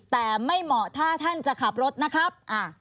แต่ไม่เหมาะถ้าท่านจะขับรถนะครับ